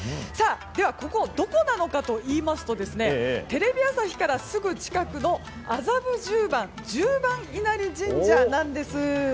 ではここどこなのかといいますとテレビ朝日からすぐ近くの麻布十番十番稲荷神社なんです。